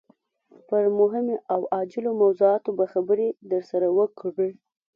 پر مهمو او عاجلو موضوعاتو به خبرې درسره وکړي.